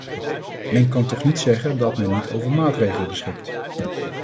Men kan toch niet zeggen dat men niet over maatregelen beschikt.